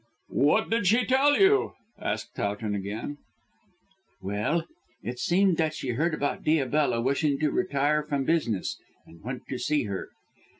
"What did she tell you?" asked Towton again. "Well, it seemed that she heard about Diabella wishing to retire from business and went to see her.